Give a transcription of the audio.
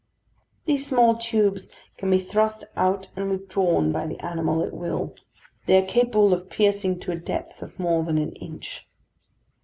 These small tubes can be thrust out and withdrawn by the animal at will. They are capable of piercing to a depth of more than an inch.